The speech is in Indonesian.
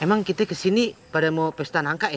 emang kita kesini pada mau pesta nangka ya